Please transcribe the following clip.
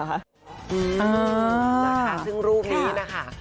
นะคะซึ่งรูปนี้นะคะ